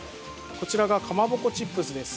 こちらが、かまぼこチップスです。